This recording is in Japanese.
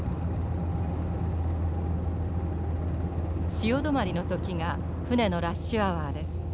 潮止まりの時が船のラッシュアワーです。